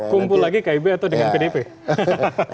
kumpul lagi kib atau dengan pdip